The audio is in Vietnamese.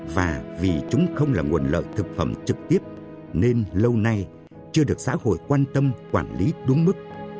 và vì chúng không là nguồn lợi thực phẩm trực tiếp nên lâu nay chưa được xã hội quan tâm quản lý đúng mức